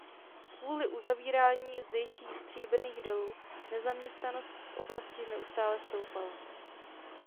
Kvůli uzavírání zdejších stříbrných dolů nezaměstnanost v oblasti neustále stoupala.